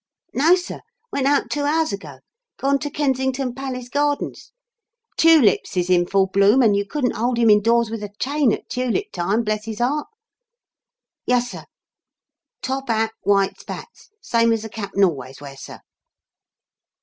No, sir. Went out two hours ago. Gone to Kensington Palace Gardens. Tulips is in full bloom and you couldn't hold him indoors with a chain at tulip time, bless his heart. Yuss, sir. Top hat, white spats same as the 'Cap'n' always wears, sir."